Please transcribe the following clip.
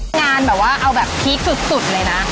งานแบบว่าเอาแบบพีคสุดเลยนะ